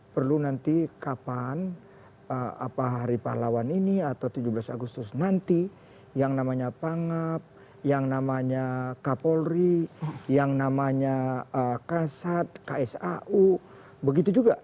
perlu nanti kapan hari pahlawan ini atau tujuh belas agustus nanti yang namanya pangap yang namanya kapolri yang namanya kasat ksau begitu juga